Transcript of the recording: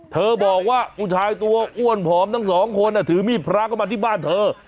บอกว่าผู้ชายตัวอ้วนผอมทั้งสองคนถือมีดพระเข้ามาที่บ้านเธอ